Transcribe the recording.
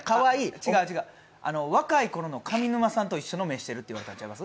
違う違う、若いころの上沼さんと一緒の目してるって言われたん違います？